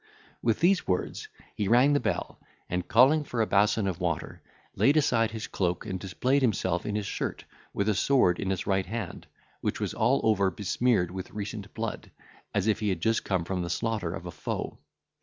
With these words, he rang the bell, and, calling for a bason of water, laid aside his cloak, and displayed himself in his shirt, with a sword in his right hand, which was all over besmeared with recent blood, as if he had just come from the slaughter of a foe.